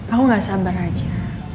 aku gak sabar aja